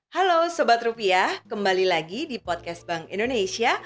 halo sebat rupiah kembali lagi di podcast bank indonesia